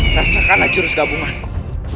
rasakanlah jurus gabunganku